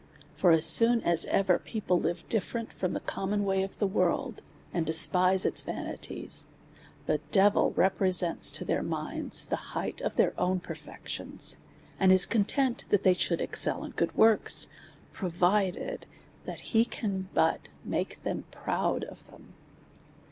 For as sooh as ever people live different from the common way of the world, and despise its vanities, the devil represents to their minds the heights of their own perfections ; and is content they should excel in good works, pro vided that he can but make them proud of them.